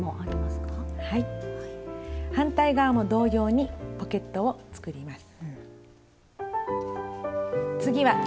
反対側も同様にポケットを作ります。